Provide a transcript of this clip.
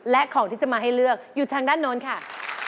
และของที่จะมาให้เลือกอยู่ทางด้านโน้นค่ะ